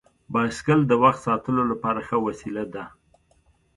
بایسکل د وخت ساتلو لپاره ښه وسیله ده.